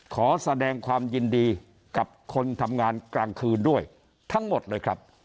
ขอแสดงความยินดีกับคนทำงานกลางคืนด้วยทั้งหมดเลยครับ